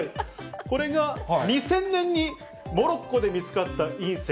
これが２０００年にモロッコで見つかった隕石。